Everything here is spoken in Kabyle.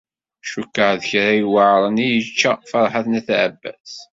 Cukkeɣ d kra yuɛren i yečča Ferḥat n At Ɛebbas.